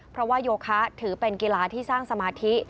เพราะว่าโยคะถือเป็นกีฬาที่สร้างสมาธิ